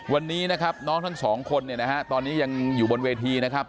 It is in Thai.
วันนี้นะครับน้องทั้งสองคนเนี่ยนะฮะตอนนี้ยังอยู่บนเวทีนะครับ